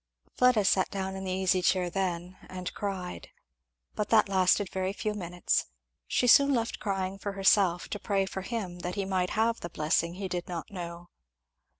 Fleda sat down in the easy chair then and cried. But that lasted very few minutes; she soon left crying for herself to pray for him, that he might have the blessing he did not know.